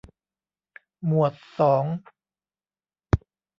หมวดสอง